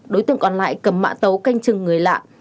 đối tượng còn lại cầm mạ tấu canh chừng người lạ